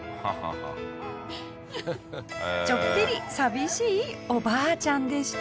ちょっぴり寂しいおばあちゃんでした。